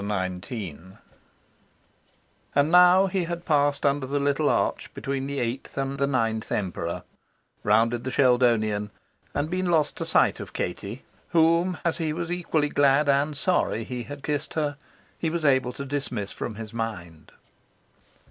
XIX And now he had passed under the little arch between the eighth and the ninth Emperor, rounded the Sheldonian, and been lost to sight of Katie, whom, as he was equally glad and sorry he had kissed her, he was able to dismiss from his mind.